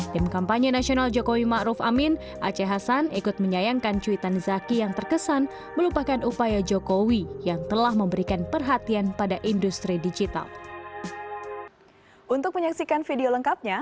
tim kampanye nasional jokowi ⁇ maruf ⁇ amin aceh hasan ikut menyayangkan cuitan zaki yang terkesan melupakan upaya jokowi yang telah memberikan perhatian pada industri digital